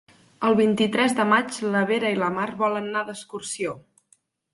El vint-i-tres de maig na Vera i na Mar volen anar d'excursió.